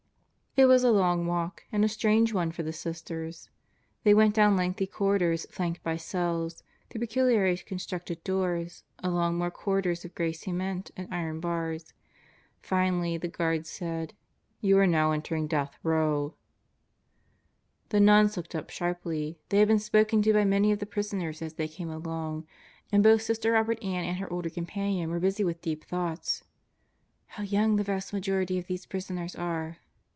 It was a long walk and a strange one for the Sisters. They went down lengthy corridors flanked by cells; through peculiarly constructed doors; along more corridors of gray cement and iron bars. Finally the guard said: "You are now entering Death Row." Birthdays in the Deathhouse 71 The nuns looked up sharply. They had been spoken to by many of the prisoners as they came along, and both Sister Robert Ann and her older companion were busy with deep thoughts. "How young the vast majority of these prisoners are!"